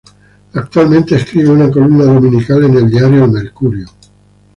Actualmente escribe una columna dominical en el diario "El Mercurio".